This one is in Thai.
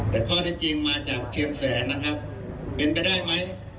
แต่ข้อเท็จจริงมาจากเชียงแสนนะครับเป็นไปได้ไหม